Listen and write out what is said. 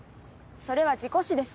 それは事故死です。